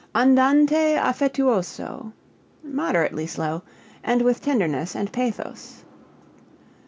Andante affettuoso moderately slow, and with tenderness and pathos.